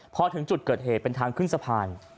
พอถึงจุดเกิดเหตุเป็นทางขึ้นสะพาน